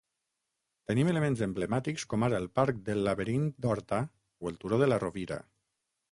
Tenim elements emblemàtics com ara el parc del Laberint d'Horta o el Turó de la Rovira.